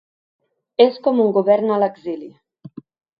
És com un govern a l’exili.